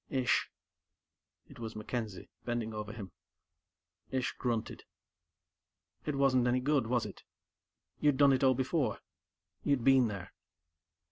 "Ish." It was MacKenzie, bending over him. Ish grunted. "It wasn't any good was it? You'd done it all before; you'd been there."